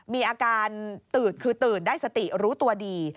มีอาการตืดคือตื่นได้สติรู้ตัวดี